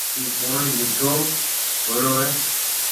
ڪيَ پوڻِي مِٺو هويوڙو هيَ۔